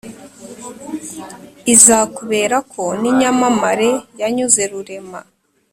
izakuberako n' inyamamare yanyuze rurema.